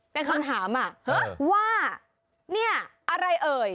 เป็นคำถามว่าเนี่ยอะไรเอ่ย